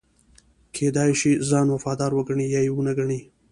کېدای شي ځان وفادار وګڼي یا یې ونه ګڼي.